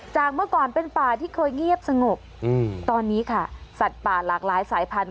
เมื่อก่อนเป็นป่าที่เคยเงียบสงบตอนนี้ค่ะสัตว์ป่าหลากหลายสายพันธุ